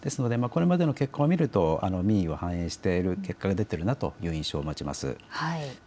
これまでの結果を見ると民意を反映している結果が出ているなという印象を持ちます。